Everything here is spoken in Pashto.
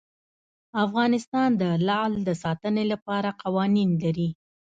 افغانستان د لعل د ساتنې لپاره قوانین لري.